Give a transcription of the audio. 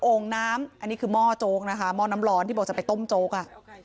องค์น้ำอันนี้คือหม้อโจ๊กนะคะหม้อน้ำร้อนที่บอกจะไปต้มโจ๊กอ่ะ